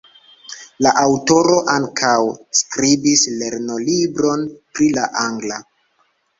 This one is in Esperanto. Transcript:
La aŭtoro ankaŭ skribis lernolibron pri la angla.